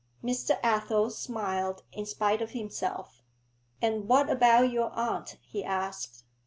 Mr. Athel smiled in spite of himself. 'And what about your aunt?' he asked.